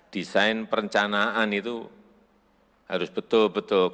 desain perencanaan itu harus betul betul